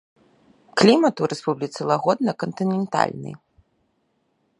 Клімат у рэспубліцы лагодна кантынентальны.